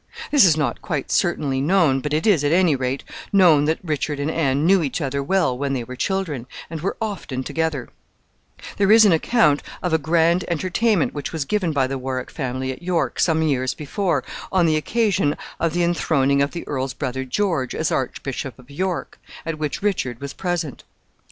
[H] This is not quite certainly known, but it is at any rate known that Richard and Anne knew each other well when they were children, and were often together. [Footnote H: For a view of this castle, and the grounds pertaining to it, see page 180.] There is an account of a grand entertainment which was given by the Warwick family at York, some years before, on the occasion of the enthroning of the earl's brother George as Archbishop of York, at which Richard was present.